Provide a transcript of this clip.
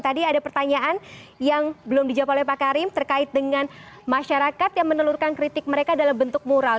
tadi ada pertanyaan yang belum dijawab oleh pak karim terkait dengan masyarakat yang menelurkan kritik mereka dalam bentuk moral